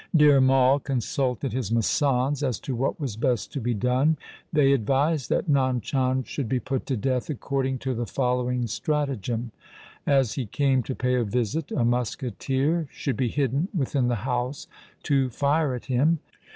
Dhir Mai consulted his masands as to what was best LIFE OF GURU GOBIND SINGH 89 to be done. They advised that Nand Chand should be put to death according to the following strata gem. As he came to pay a visit, a musketeer should be hidden within the house to fire at him.